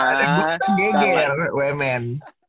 karena ada yang buka beger wmn